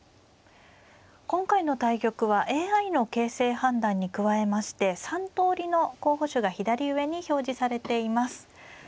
今回の対局はＡＩの形勢判断に加えまして３通りの候補手が左上に表示されています。